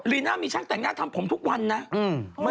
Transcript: ลีน่ามีช่างแต่งหน้าทำผมทุกวันนะ